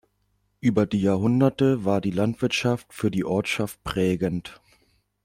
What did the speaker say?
Über die Jahrhunderte war die Landwirtschaft für die Ortschaft prägend.